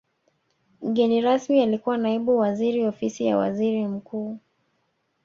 mgeni rasmi alikuwa naibu waziri ofisi ya waziri mkuu